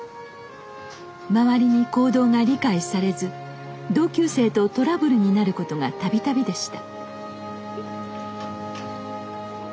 周りに行動が理解されず同級生とトラブルになることがたびたびでした。